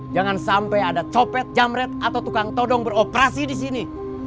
jangan sampai ada copet jamret atau tukang todong beroperasi di sini